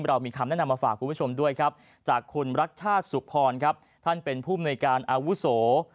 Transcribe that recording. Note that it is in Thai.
เรามีคำแนะนำมาฝากคุณผู้ชมด้วยครับจากคุณรักชาติสุพรครับท่านเป็นผู้มนุยการอาวุโส